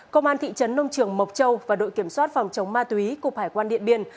công an thị trấn nông trường mộc châu và đội kiểm soát phòng chống ma túy cục hải quan điện biên